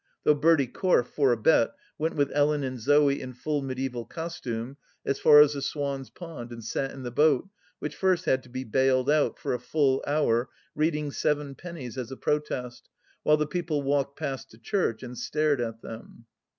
Though Bertie Corfe, for a bet, went with Ellen and Zee, in full mediaeval costume, as far as the swan's pond, and sat in the boat, which first had to be baled out, for a full hour, reading sevenpennies, as a protest, while the people walked past to church and stared at them.